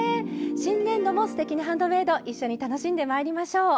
新年度も「すてきにハンドメイド」一緒に楽しんでまいりましょう。